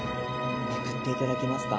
めくっていただけますか？